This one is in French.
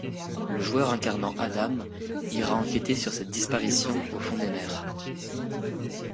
Le joueur incarnant Adam ira enquêter sur cette disparition au fond des mers.